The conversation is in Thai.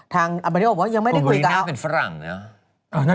ทางมาริโอยังไม่ได้คุยกับโกบริน่าเป็นฝรั่งนะ